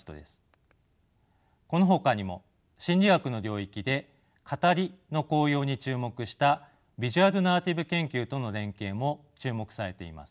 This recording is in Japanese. このほかにも心理学の領域で語りの効用に注目したビジュアル・ナラティブ研究との連携も注目されています。